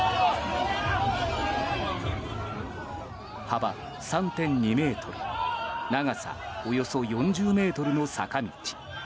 幅３．２ｍ長さおよそ４０ｍの坂道。